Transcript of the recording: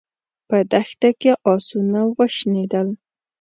په دښته کې آسونه وشڼېدل.